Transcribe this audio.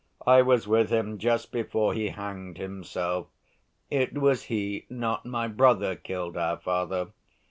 I was with him just before he hanged himself. It was he, not my brother, killed our father.